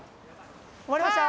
終わりました。